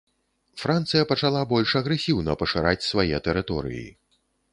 Францыя пачала больш агрэсіўна пашыраць свае тэрыторыі.